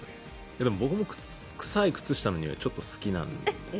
でも僕も臭い靴下のにおいちょっと好きなんです。